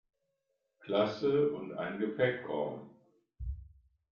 Klasse und einen Gepäckraum.